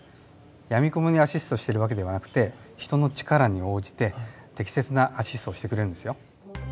やみくもにアシストしてる訳ではなくて人の力に応じて適切なアシストをしてくれるんですよ。